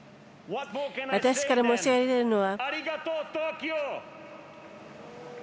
私から申し上げられるのは。